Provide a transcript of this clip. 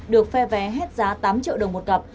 được phe vé hết giá tám triệu đồng một cặp